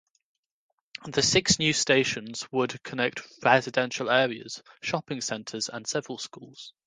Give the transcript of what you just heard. The six new stations would connect residential areas, shopping centers and several schools.